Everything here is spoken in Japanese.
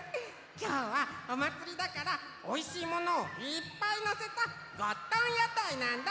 きょうはおまつりだからおいしいものをいっぱいのせたゴットンやたいなんだ！